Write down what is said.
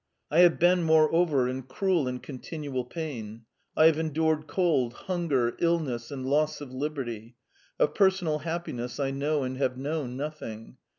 I have been, moreover, in cruel and continual pain. I have endured cold, hunger, illness, and loss of liberty. Of personal happiness I know and have known nothing.